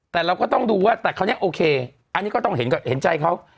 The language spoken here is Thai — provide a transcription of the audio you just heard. แต่เราก็ต้องดูว่าแต่คราวนี้โอเคอันนี้ก็ต้องเห็นใจเขา